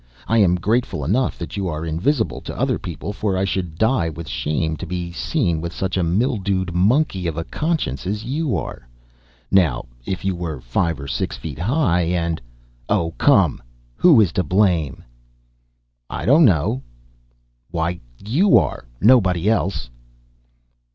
I am grateful enough that you are invisible to other people, for I should die with shame to be seen with such a mildewed monkey of a conscience as you are. Now if you were five or six feet high, and " "Oh, come! who is to blame?" "I don't know." "Why, you are; nobody else."